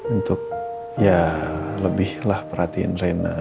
untuk ya lebih lah perhatiin rena